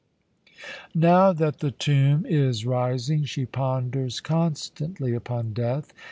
"Now that the tomb is rising, she ponders constantly upon death.